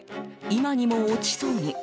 今にも落ちそうに。